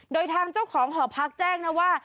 โดยทางเจ้าของหอพักแจ้งนะว่า